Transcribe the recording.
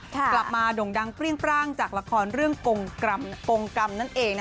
กลับมาด่งดังเปรี้ยงปร่างจากละครเรื่องกงกรรมนั่นเอง